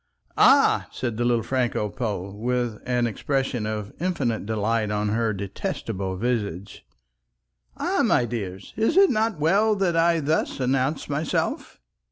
"Ah," said the little Franco Pole, with an expression of infinite delight on her detestable visage, "ah, my dears, is it not well that I thus announce myself?"